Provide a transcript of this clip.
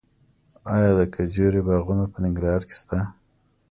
آیا د کجورې باغونه په ننګرهار کې شته؟